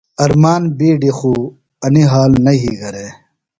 ارمان بِیڈیۡ خُوۡ انیۡ حال نہ یھی گھرے۔